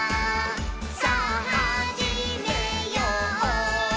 さぁはじめよう」